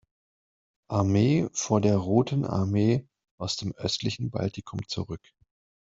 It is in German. Armee vor der Roten Armee aus dem östlichen Baltikum zurück.